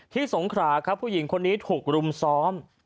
สงขราครับผู้หญิงคนนี้ถูกรุมซ้อม